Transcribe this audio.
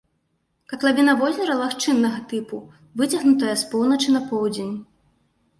Катлавіна возера лагчыннага тыпу, выцягнутая з поўначы на поўдзень.